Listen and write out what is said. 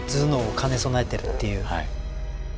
兼ね備えてるっていう。